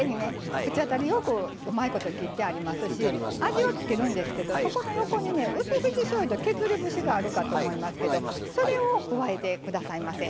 口当たりよくうまいこと切ってありますし味を付けるんですけどそこの横にねうす口しょうゆと削り節があるかと思いますけどそれを加えてくださいませ。